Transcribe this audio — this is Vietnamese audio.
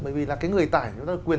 bởi vì là cái người tải chúng ta quyền